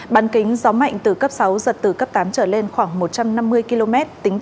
bán kính gió mạnh từ cấp sáu giật từ cấp tám trở lên khoảng một trăm năm mươi km